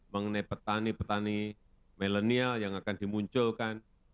mengenai petani petani milenial yang akan dimunculkan